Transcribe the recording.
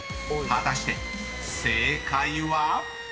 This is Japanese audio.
［果たして正解は⁉］